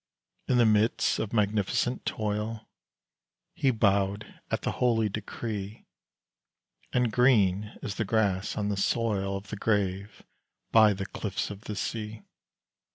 In the midst of magnificent toil, He bowed at the holy decree; And green is the grass on the soil Of the grave by the cliffs of the sea.